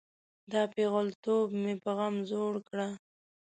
دا پیغلتوب مې په غم زوړ کړه.